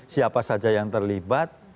siapa saja yang terlibat